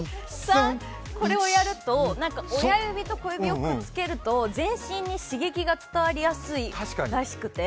これをやると、親指と小指をくっつけると全身に刺激が伝わりやすいらしくて。